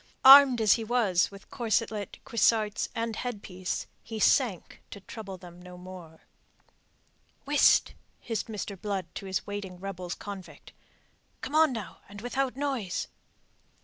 Armed as he was with corselet, cuissarts, and headpiece, he sank to trouble them no more. "Whist!" hissed Mr. Blood to his waiting rebels convict. "Come on, now, and without noise."